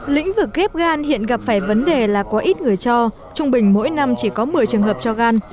lĩnh vực ghép gan hiện gặp phải vấn đề là có ít người cho trung bình mỗi năm chỉ có một mươi trường hợp cho gan